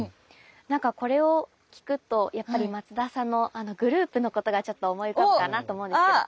何かこれを聞くとやっぱり松田さんのグループのことがちょっと思い浮かぶかなと思うんですけど。